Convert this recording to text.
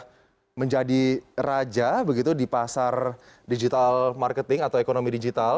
bisa menjadi raja begitu di pasar digital marketing atau ekonomi digital